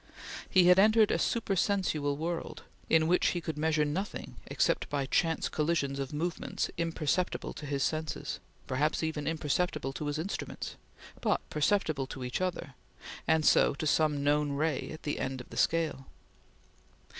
He had entered a supersensual world, in which he could measure nothing except by chance collisions of movements imperceptible to his senses, perhaps even imperceptible to his instruments, but perceptible to each other, and so to some known ray at the end of the scale.